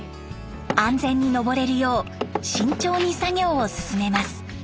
安全に上れるよう慎重に作業を進めます。